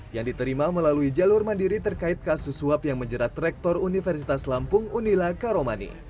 yang diterima melalui jalur mandiri terkait kasus suap yang menjerat rektor universitas lampung unila karomani